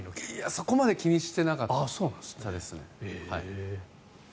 そこまで気にしてなかったですね。